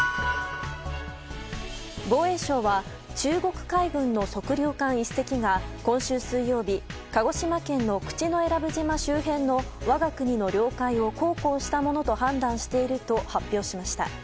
防衛省は中国海軍の測量艦１隻が今週水曜日鹿児島県の口永良部島周辺の我が国の領海を航行したものと判断していると発表しました。